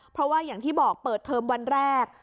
เพราะว่าอย่างที่บอกเปิดเทอมวันแรก